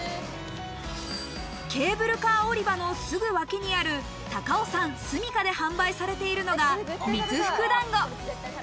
ケーブルカー降り場のすぐ脇にある、高尾山スミカで販売されているのが三福だんご。